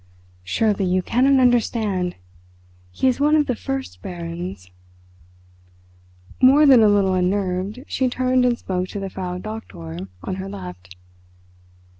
"Surely you cannot understand. He is one of the First Barons." More than a little unnerved, she turned and spoke to the Frau Doktor on her left.